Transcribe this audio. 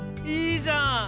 いいじゃん！